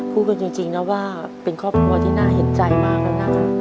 พูดกันจริงนะว่าเป็นครอบครัวที่น่าเห็นใจมากนะครับ